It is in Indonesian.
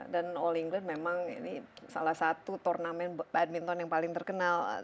dan all england memang ini salah satu turnamen badminton yang paling terkenal